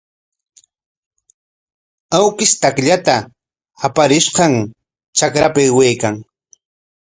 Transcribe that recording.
Awkish takllanta aparishqam trakrapa aywaykan.